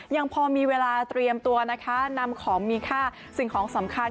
ยังพอมีเวลาเตรียมตัวนะคะนำของมีค่าสิ่งของสำคัญ